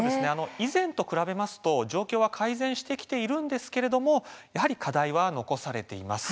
以前と比べると状況は改善してきているんですけれどもやはり課題は残されています。